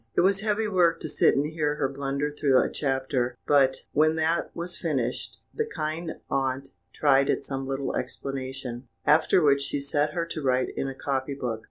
It was heavy work to sit and hear her blunder through a chapter; but, when that was finished, the kind aunt tried at some little explanation; after which she set her to write in a copy book.